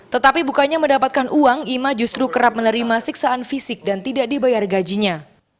tetapi bukannya mendapatkan uang ima justru kerap menerima siksaan fisik dan tidak dibayar gajinya